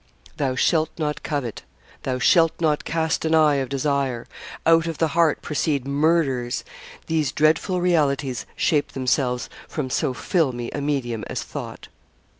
Thou shalt not covet; thou shalt not cast an eye of desire; out of the heart proceed murders; these dreadful realities shape themselves from so filmy a medium as thought!